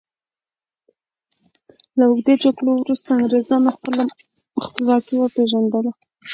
له اوږدو جګړو وروسته انګریزانو خپلواکي وپيژندله.